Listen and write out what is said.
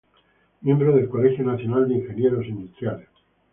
Miembro del Colegio Nacional de Ingenieros Industriales.